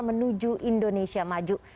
menuju indonesia maju